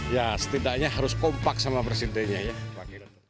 ya setidaknya harus kompak sama presidennya ya